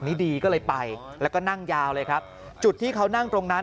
ดีก็เลยไปแล้วก็นั่งยาวเลยครับจุดที่เขานั่งตรงนั้น